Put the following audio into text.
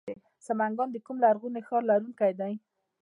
سمنګان د کوم لرغوني ښار لرونکی دی؟